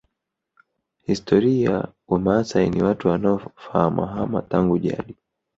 Historia Wamaasai ni watu wanaohamahama tangu jadi